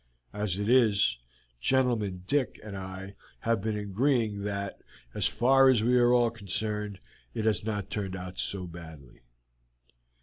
As it is, Gentleman Dick and I have been agreeing that as far as we are all concerned it has not turned out so badly.